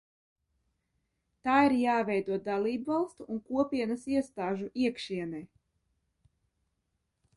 Tā ir jāveido dalībvalstu un Kopienas iestāžu iekšienē.